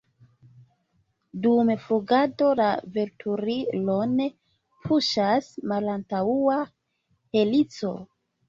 Dum flugado, la veturilon puŝas malantaŭa helico.